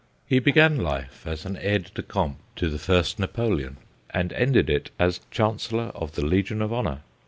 He began life as aide de camp to the first Napoleon, and ended it as Chancellor of the Legion of Honour.